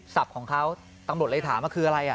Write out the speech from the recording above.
ของเขาตำรวจเลยถามว่าคืออะไร